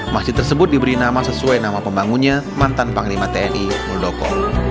masjid tersebut diberi nama sesuai nama pembangunnya mantan panglima tni muldoko